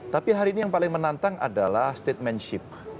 tapi hari ini yang paling menantang adalah statementship